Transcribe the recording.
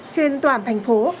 trên toàn thành phố